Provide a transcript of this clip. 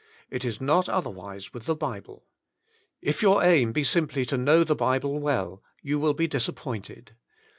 It is not otherwise with the Bible. If your aim be simply to know the Bible well, you will be disappointed.